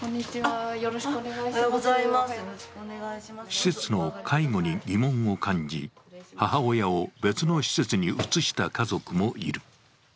施設の介護に疑問を感じ、母親を別の施設に移した家族もいる。